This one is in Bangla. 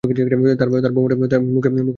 তার বোমাটা তোর মুখে ফিক্স করে দিব।